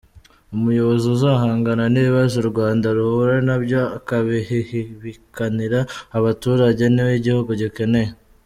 Umuyobozi uzahangana n’ibibazo u Rwanda ruhura nabyo akabihihibikanira abaturage ni we igihugu gikeneye.